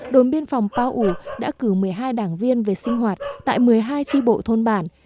đồn biên phòng pao ủ đã cử một mươi hai đảng viên về sinh hoạt tại một mươi hai tri bộ thôn bản